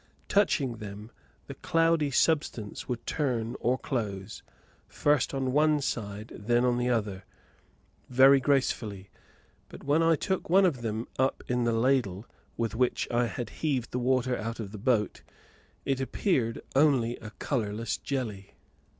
Touching them, the cloudy substance would turn or close, first on one side, then on the other, very gracefully, but when I took one of them up in the ladle, with which I heaved the water out of the boat, it appeared only a colourless jelly.